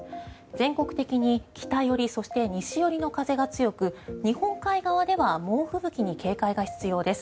全国的に北寄り、そして西寄りの風が強く日本海側では猛吹雪に警戒が必要です。